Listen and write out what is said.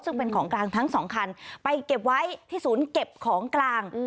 ซึ่งเป็นของกลางทั้งสองคันไปเก็บไว้ที่ศูนย์เก็บของกลาง